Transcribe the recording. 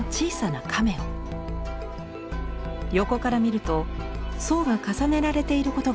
横から見ると層が重ねられていることが分かります。